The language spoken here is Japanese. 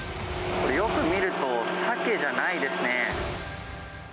これ、よく見ると、サケじゃないですね。